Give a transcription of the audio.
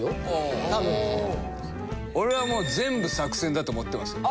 俺はもう全部作戦だと思ってますよ。